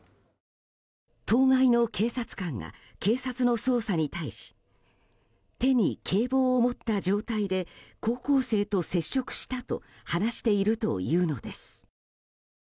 当該の警察官が警察の捜査に対し手に警棒を持った状態で高校生と接触したと話しているというのです。